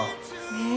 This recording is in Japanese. ねえ。